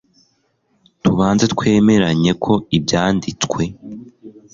tubanze twemeranye ko ibyanditswe